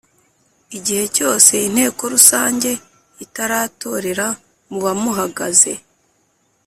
Igihe cyose Inteko Rusange itaratorera muba muhagaze